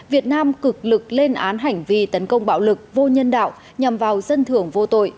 việt nam cực lực lên án hành vi tấn công bạo lực vô nhân đạo nhằm vào dân thưởng vô tội